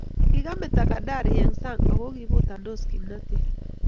Kikameto kidari eng sang ako kiibotandos kimnatet